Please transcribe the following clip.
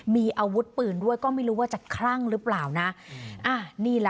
มีอาวุธปืนด้วยก็ไม่รู้ว่าจะคลั่งหรือเปล่านะอ่านี่แหละ